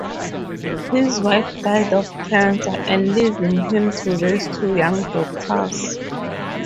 His wife died of cancer, and leaving him to raise two young daughters.